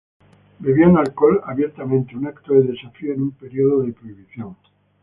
Bebían alcohol abiertamente, un acto de desafío en un período de prohibición.